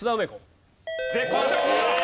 絶好調！